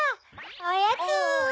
おやつ！